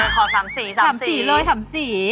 ขอสามสีสามสีสามสีเลยสามสี